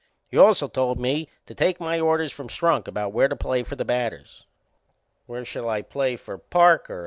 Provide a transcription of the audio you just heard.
He also told me to take my orders from Strunk about where to play for the batters. "Where shall I play for Parker?"